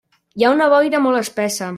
Hi ha una boira molt espessa.